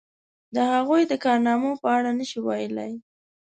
د هغوی د کارنامو په اړه نشي ویلای.